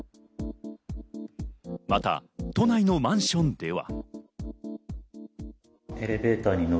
また都内のマンションでは。